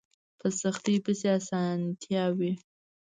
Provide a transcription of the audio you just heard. په سختۍ پسې اسانتيا وي